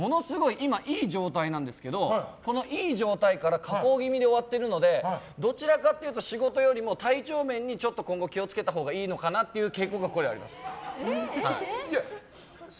今いい状態なんですけどいい状態から下降気味で終わっているのでどちらかというと仕事よりも体調面にちょっと今後気を付けたほうがいいのかなって傾向があります。